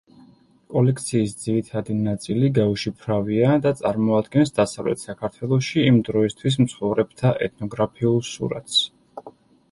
კოლექციის ძირითადი ნაწილი გაუშიფრავია და წარმოადგენს დასავლეთ საქართველოში იმ დროისათვის მცხოვრებთა ეთნოგრაფიულ სურათს.